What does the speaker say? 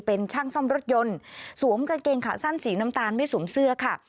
เป็นช่างซ่อมรถยนต์สวมกางเกงขาสั้นสีน้ำตาลไม่สวมเสื้อค่ะ